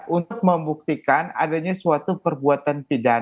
untuk membuktikan adanya suatu perbuatan pidana